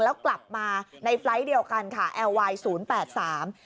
แล้วกลับมาในไฟล์ทเดียวกันค่ะแอร์ไวน์ศูนย์แปดสาม